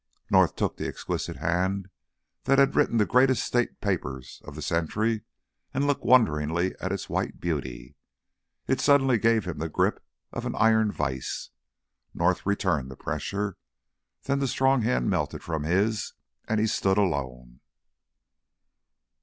North took the exquisite hand that had written the greatest state papers of the century, and looked wonderingly at its white beauty. It suddenly gave him the grip of an iron vise. North returned the pressure. Then the strong hand melted from his, and he stood alone.